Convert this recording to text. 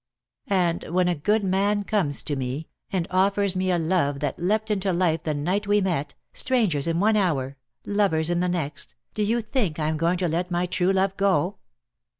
And when a good man conies to me and 1 82 JDEAD LOVE HAS CHAINS. offers me a love that leapt into life the night we met, strangers in one hour, lovers in the next, do you think that I am going to let my true love go?"